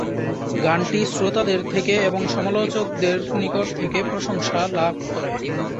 গানটি শ্রোতাদের থেকে এবং সমালোচকদের নিকট থেকে প্রশংসা লাভ করে।